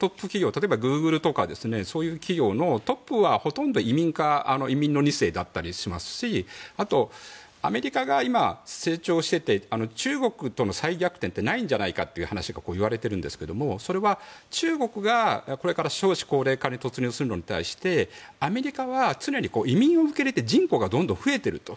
例えばグーグルとかそういう企業のトップはほとんど移民か移民の２世だったりしますしあと、アメリカが今成長していて中国との再逆転ってないんじゃないかという話がいわれているんですがそれは中国がこれから少子高齢化に突入するのに対してアメリカは常に移民を受け入れて人口がどんどん増えていると。